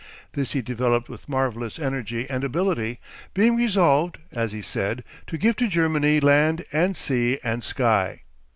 This he developed with marvellous energy and ability, being resolved, as he said, to give to Germany land and sea and sky.